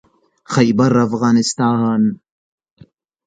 خيبرافغانستان